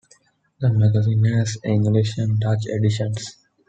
The magazine has English and Dutch editions.